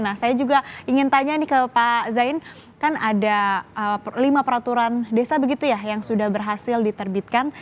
nah saya juga ingin tanya nih ke pak zain kan ada lima peraturan desa begitu ya yang sudah berhasil diterbitkan